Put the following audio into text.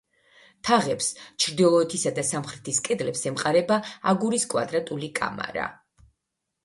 თაღებს, ჩრდილოეთისა და სამხრეთის კედლებს ემყარება აგურის კვადრატული კამარა.